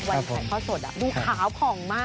วันไข่พ่อสดดูขาวผ่องมาก